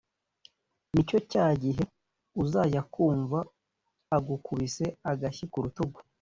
nicyo cya gihe uzanjya kumva agukubise agashyi ku rutugu